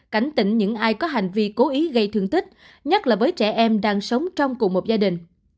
cảnh tỉnh những ai có hành vi cố ý gây thương tích nhất là với trẻ em đang sống trong cùng một gia đình